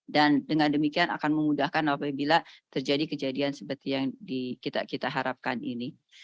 dan dengan demikian akan memudahkan apabila terjadi kejadian seperti yang kita harapkan ini